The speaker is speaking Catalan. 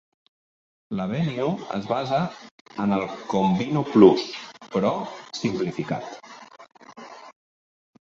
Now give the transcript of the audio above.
L'Avenio es basa en el Combino Plus, però simplificat.